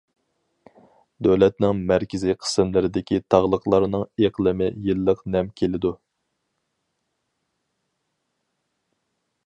دۆلەتنىڭ مەركىزىي قىسىملىرىدىكى تاغلىقلارنىڭ ئىقلىمى يىللىق نەم كېلىدۇ.